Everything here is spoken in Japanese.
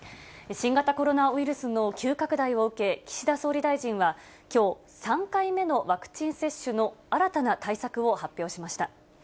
新型コロナウイルスの急拡大を受け、岸田総理大臣は、きょう、３回目のワクチン接種の新たな対策を発表しました。